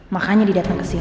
makanya didatang kesini